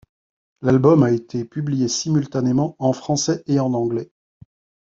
L’album a été publié simultanément en français et en anglais.